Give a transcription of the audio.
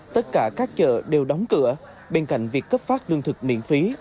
tất cả các chợ đều đóng cửa bên cạnh việc cấp phát lương thực miễn phí